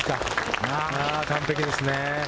完璧ですね。